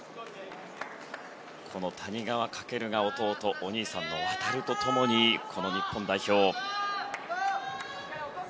谷川翔が弟、お兄さんの航と共にこの日本代表。